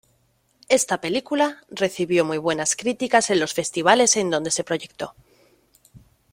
Esta película recibió muy buenas críticas en los festivales en dónde se proyectó.